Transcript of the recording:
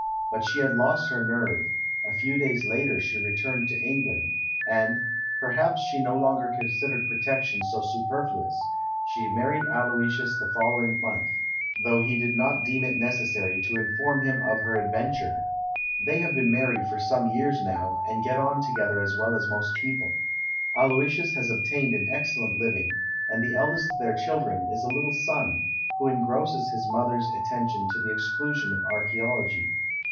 But she had lost her nerve ; a few days later she returned to England, and — per haps she no longer considered protection so su perfluous — she married Aloysius the following month, though he did not deem it necessary to inform him of her adventure. They have been married for some years now, and get on together as well as most people. Aloysius has obtained an excellent hving, and the eldest of their children is a little son, who en grosses his mother's attention to the exclusion of archaeology.